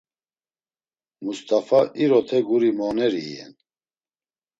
Must̆afa irote guri mooneri iyen.